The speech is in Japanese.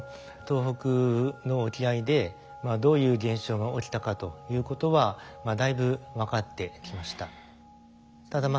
東北の沖合でどういう現象が起きたかということはだいぶ分かってきました。